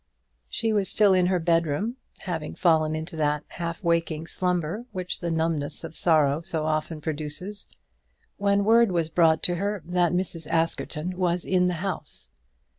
She was still in her bedroom, having fallen into that half waking slumber which the numbness of sorrow so often produces, when word was brought to her that Mrs. Askerton was in the house.